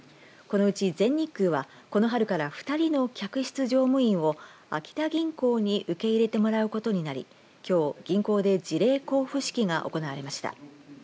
このうち全日空はこの春から２人の客室乗務員を秋田銀行に受け入れてもらうことになりきょう銀行で辞令交付式が行われました。